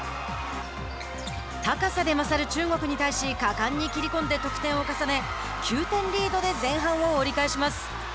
高さでまさる中国に対し果敢に切り込んで得点を重ね９点リードで前半を折り返します。